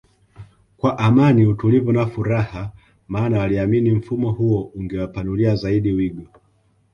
kwa Amani utulivu na furaha maana waliamini mfumo huo ungewa panulia zaidi wigo